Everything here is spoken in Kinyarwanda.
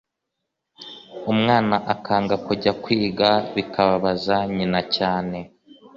umwana akanga kujya kwiga bikababaza nyina cyane